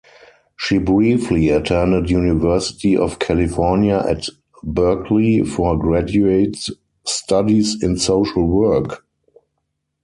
She briefly attended University of California at Berkeley for graduate studies in social work.